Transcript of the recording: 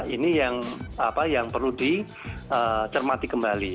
ini yang perlu dicermati kembali